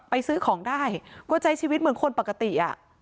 ซื้อของได้ก็ใช้ชีวิตเหมือนคนปกติอ่ะ